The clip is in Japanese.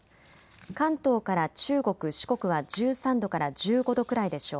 関東から中国、四国は１３度から１５度くらいでしょう。